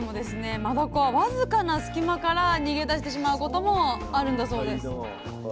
マダコは僅かな隙間から逃げ出してしまうこともあるんだそうです。